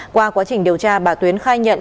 qua quá trình điều tra bà tuyến khai nhận